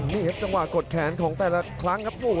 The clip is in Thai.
นี่ครับจังหวะกดแขนของแต่ละครั้งครับ